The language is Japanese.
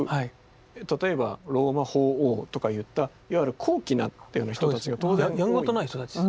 例えばローマ法王とかいったいわゆる高貴なっていうような人たちが当然やんごとない人たち。